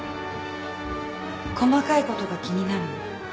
細かいことが気になるの。